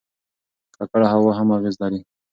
ککړه هوا هم اغېز لري.